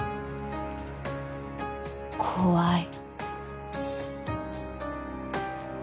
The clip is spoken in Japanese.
怖い。